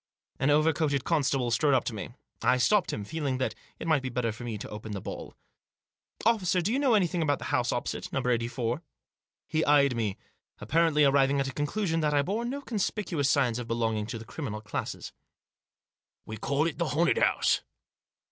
An over coated constable strode up to me. I stopped him, feeling that it might be better for me to open the ball. "Officer, do you know anything about the house opposite — No. 84? " He eyed me ; apparently arriving at a conclusion that I bore no conspicuous signs of belonging to the criminal classes. Digitized by THE AGITATION OF MISS PURVIS. 191 "We call it the haunted house."